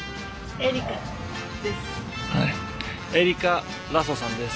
エリカ・ラソさんです。